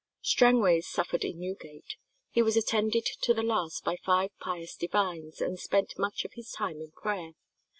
Strangways suffered in Newgate. He was attended to the last by five pious divines, and spent much of his time in prayer.